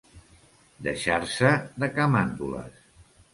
Deixar-se de camàndules.